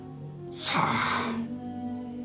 さあ。